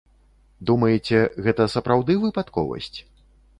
Думаеце, гэта сапраўды выпадковасць?